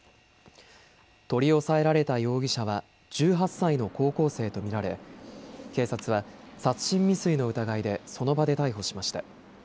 取り押さえられた容疑者は１８歳の高校生と見られ警察は殺人未遂の疑いでその場で逮捕しました。